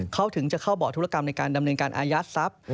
เขาถึงจะเข้าเบาะธุรกรรมในการดำเนินการอายัดทรัพย์